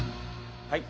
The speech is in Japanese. はい。